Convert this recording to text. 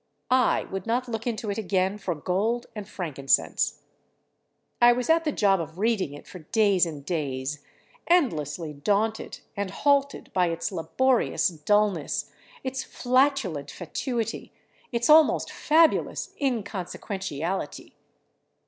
I would not look into it again for gold and frankincense. I was at the job of reading it for days and days, endlessly daunted and halted by its laborious dullness, its flatulent fatuity, its almost fabulous inconsequentiality.